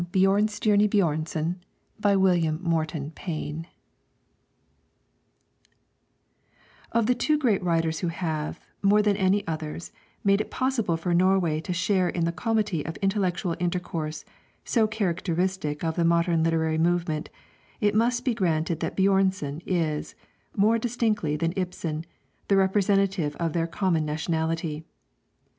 BJÖRNSTJERNE BJÖRNSON (1832 ) BY WILLIAM M. PAYNE Of the two great writers who have, more than any others, made it possible for Norway to share in the comity of intellectual intercourse so characteristic of the modern literary movement, it must be granted that Björnson is, more distinctly than Ibsen, the representative of their common nationality.